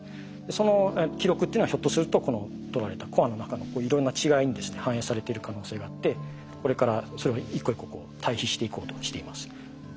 その記録っていうのはひょっとするとこの取られたコアの中のいろんな違いにですね反映されている可能性があってこれからそれを一個一個対比していこうとしています。